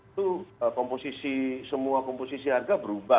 itu komposisi semua komposisi harga berubah